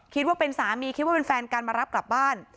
คิดว่าเป็นสามีคิดว่าเป็นแฟนกันมารับกลับบ้าน